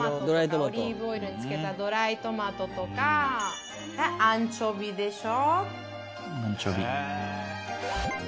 オリーブオイルに漬けたドライトマトとかアンチョビでしょ。